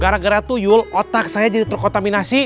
gara gara tuyul otak saya jadi terkotaminasi